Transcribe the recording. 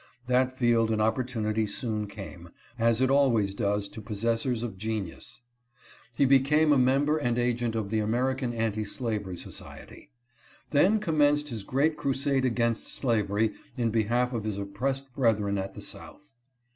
That field and opportunity soon came, as it always does to possessors of genius. He became a member and agent of the American Anti Slavery society. Then commenced his great crusade against slavery in behalf of his oppressed brethren at the South.